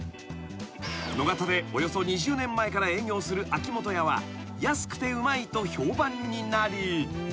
［野方でおよそ２０年前から営業する秋元屋は安くてうまいと評判になり］